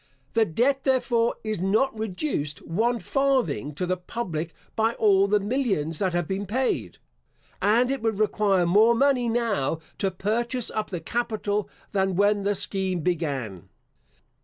The debt, therefore, is not reduced one farthing to the public by all the millions that have been paid; and it would require more money now to purchase up the capital, than when the scheme began.